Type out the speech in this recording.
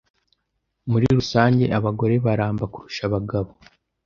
Muri rusange, abagore baramba kurusha abagabo.